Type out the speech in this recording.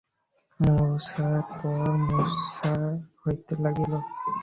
মূর্ছার পর মূর্ছা হইতে লাগিল।